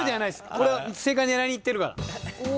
これは正解狙いにいってるから。